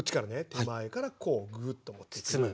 手前からこうグッと持ってくる。